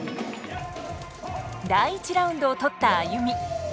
第１ラウンドを取ったＡＹＵＭＩ。